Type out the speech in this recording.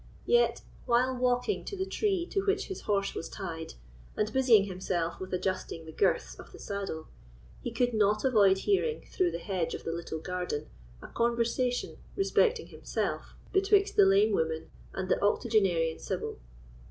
Yet, while walking to the tree to which his horse was tied, and busying himself with adjusting the girths of the saddle, he could not avoid hearing, through the hedge of the little garden, a conversation respecting himself, betwixt the lame woman and the octogenarian sibyl.